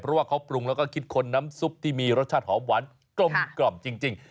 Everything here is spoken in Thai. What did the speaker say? เพราะว่าเขาปรุงแล้วก็คิดคนน้ำซุปที่มีรสชาติหอมหวานกลมจริง